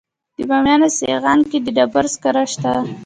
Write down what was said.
د بامیان په سیغان کې د ډبرو سکاره شته.